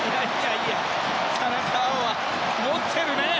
田中碧、持ってるね！